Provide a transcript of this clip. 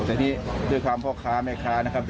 แต่นี่ด้วยความพ่อค้าแม่ค้านะครับ